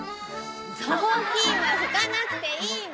ぞうきんはふかなくていいの！